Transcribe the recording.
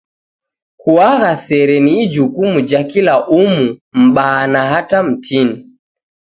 Kuagha sere ni ijukumu ja kila umu; m'baa na hata mtini.